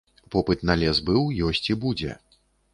Попыт на лес быў, ёсць і будзе.